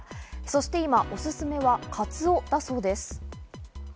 そして今おすすめはカツオだそうです。